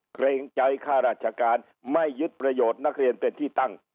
เกรงใจค่าราชการไม่ยึดประโยชน์นักเรียนเป็นที่ตั้ง